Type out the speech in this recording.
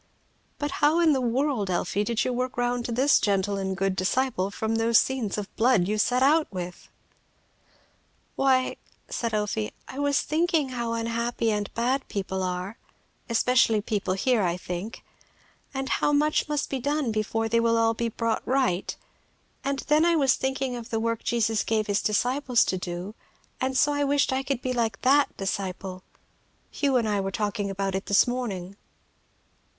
"But how in the world, Elfie, did you work round to this gentle and good disciple from those scenes of blood you set out with?" "Why," said Elfie, "I was thinking how unhappy and bad people are, especially people here, I think; and how much must be done before they will all be brought right; and then I was thinking of the work Jesus gave his disciples to do; and so I wished I could be like that disciple. Hugh and I were talking about it this morning."